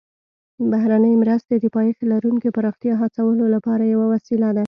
بهرنۍ مرستې د پایښت لرونکي پراختیا هڅولو لپاره یوه وسیله ده